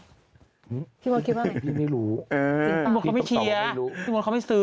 หื้อพี่โมดคิดว่าไงพี่ไม่รู้